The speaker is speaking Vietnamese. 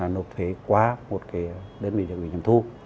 nộp thuế qua một cái đơn vị được ủy nhiệm thu